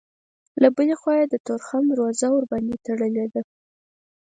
له بلې خوا یې د تورخم دروازه ورباندې تړلې ده.